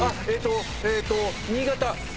新潟。